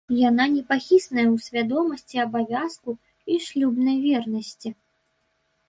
Яна непахісная ў свядомасці абавязку і шлюбнай вернасці.